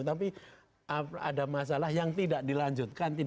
tapi ada masalah yang tidak dilanjutkan